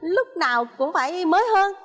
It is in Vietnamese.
lúc nào cũng phải mới hơn